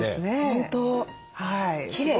本当きれい。